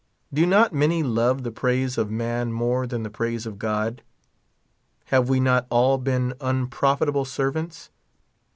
Do not many love the praise of man more than the praise of God ? Have we not all been unprofitable servants